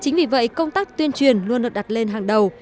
chính vì vậy công tác tuyên truyền luôn được đặt lên hàng đầu